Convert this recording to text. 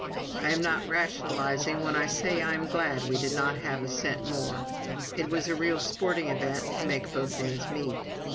I am not rationalizing when I say I am glad that we did not have a cent more. It was a real sporting event to make both ends meet!